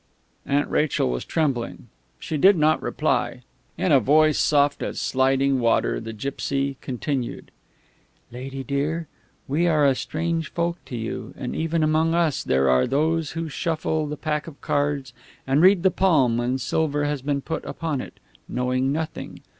Aunt Rachel was trembling. She did not reply. In a voice soft as sliding water the gipsy continued: "Lady dear, we are a strange folk to you, and even among us there are those who shuffle the pack of cards and read the palm when silver has been put upon it, knowing nothing...